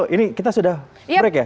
ini kita sudah break ya